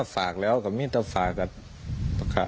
ไว้ฝากอยู่แล้วไทยฝากออก